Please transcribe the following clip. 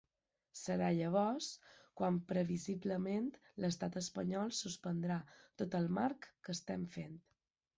Serà llavors quan previsiblement l’estat espanyol suspendrà tot el marc que estem fent.